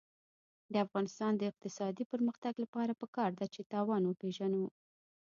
د افغانستان د اقتصادي پرمختګ لپاره پکار ده چې تاوان وپېژنو.